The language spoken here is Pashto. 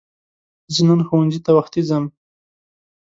زه نن ښوونځی ته وختی ځم